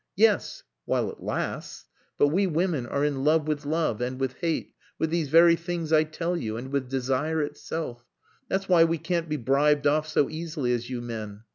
Yes! While it lasts. But we women are in love with love, and with hate, with these very things I tell you, and with desire itself. That's why we can't be bribed off so easily as you men.